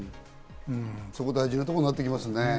大事なところになってきますね。